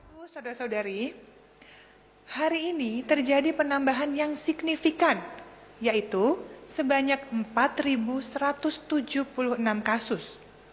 ibu saudara saudari hari ini terjadi penambahan yang signifikan yaitu sebanyak empat satu ratus tujuh puluh enam kasus